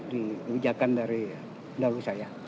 diwijakan dari pendahulu saya